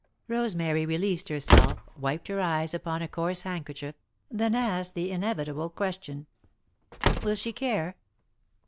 Rosemary released herself, wiped her eyes upon a coarse handkerchief, then asked the inevitable question: "Will she care?"